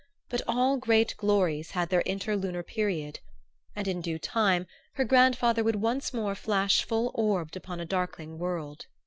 But all great glories had their interlunar period; and in due time her grandfather would once more flash full orbed upon a darkling world.